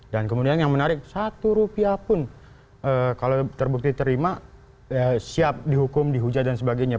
dan kemudian yang menarik satu rupiah pun kalau terbukti terima siap dihukum dihujat dan sebagainya